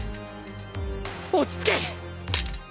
落ち着け！